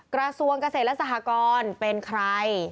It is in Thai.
กระทรวงเกษตรและสหกรเป็นใคร